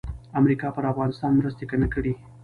امریکا پر افغانستان مرستې کمې کړې.